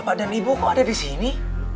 bapak dan ibu kok ada di sini